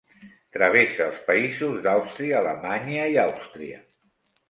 Travessa els països d'Àustria, Alemanya i Àustria.